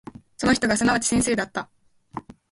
その人がすなわち先生であった。